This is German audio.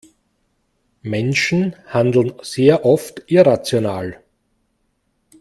Menschen handeln sehr oft irrational.